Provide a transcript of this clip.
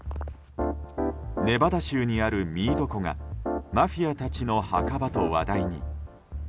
ネバダ州にあるミード湖がマフィアたちの墓場と話題に。